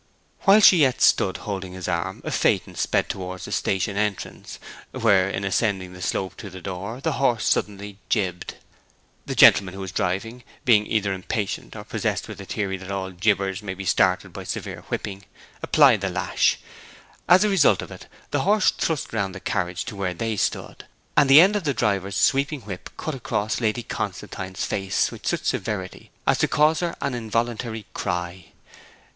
While she yet stood holding his arm a phaeton sped towards the station entrance, where, in ascending the slope to the door, the horse suddenly jibbed. The gentleman who was driving, being either impatient, or possessed with a theory that all jibbers may be started by severe whipping, applied the lash; as a result of it, the horse thrust round the carriage to where they stood, and the end of the driver's sweeping whip cut across Lady Constantine's face with such severity as to cause her an involuntary cry.